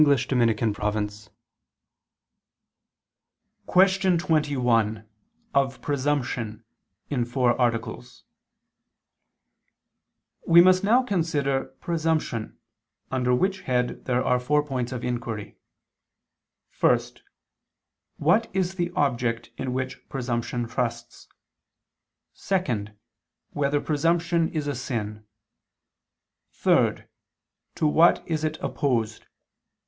_______________________ QUESTION 21 OF PRESUMPTION (In Four Articles) We must now consider presumption, under which head there are four points of inquiry: (1) What is the object in which presumption trusts? (2) Whether presumption is a sin? (3) To what is it opposed?